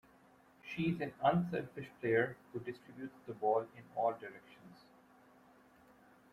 She's an unselfish player who distributes the ball in all directions.